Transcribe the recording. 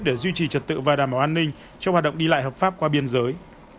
để duy trì trật tự và đảm bảo an ninh cho hoạt động đi lại hợp pháp qua biên giới